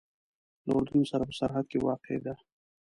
له اردن سره په سرحد کې واقع ده.